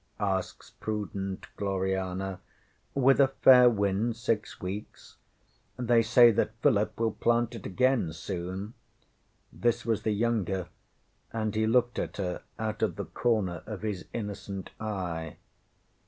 ŌĆØ asks prudent Gloriana. ŌĆśŌĆ£With a fair wind, six weeks. They say that Philip will plant it again soon. ŌĆØ This was the younger, and he looked at her out of the corner of his innocent eye.